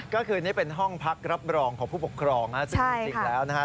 ก็คือนี่เป็นห้องพักรับรองของผู้ปกครองนะซึ่งจริงแล้วนะฮะ